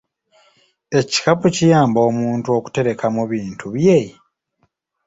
Ekikapu kiyamba omuntu okuterekamu bintu bye?